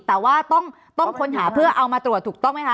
แต่ว่าต้องค้นหาเพื่อเอามาตรวจถูกต้องไหมคะ